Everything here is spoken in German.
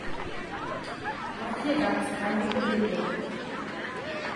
Auch hier gab es keine Überlebenden.